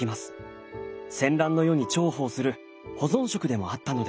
戦乱の世に重宝する保存食でもあったのです。